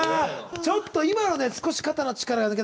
ちょっと今ので少し肩の力抜けた？